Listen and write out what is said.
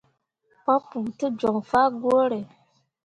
Papou te joŋ fah gwǝǝre.